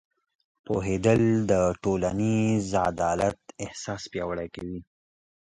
پوهېدل د ټولنیز عدالت احساس پیاوړی کوي.